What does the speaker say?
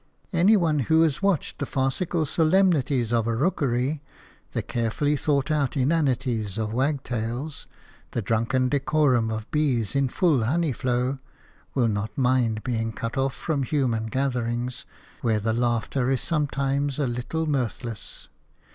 Any one who has watched the farcical solemnities of a rookery, the carefully thought out inanities of wagtails, the drunken decorum of bees in full honey flow, will not mind being cut off from human gatherings, where the laughter is sometimes a little mirthless.